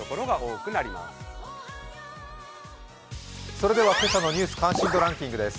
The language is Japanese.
それでは今朝の「ニュース関心度ランキング」です。